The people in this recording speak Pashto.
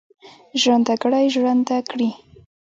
ژرندهګړی ژرنده کړي.